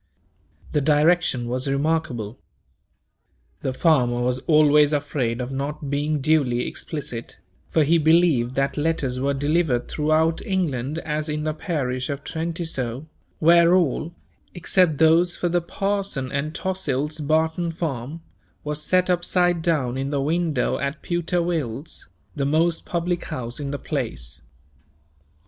The direction was remarkable. The farmer was always afraid of not being duly explicit, for he believed that letters were delivered throughout England as in the parish of Trentisoe; where all, except those for the parson and Tossil's Barton farm, were set upside down in the window at Pewter Will's, the most public house in the place.